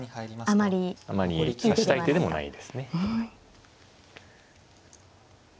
あまり指したい手でもないですね。